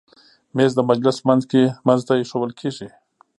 مېز د مجلس منځ ته ایښودل کېږي.